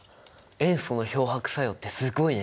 塩素の漂白作用ってすごいね。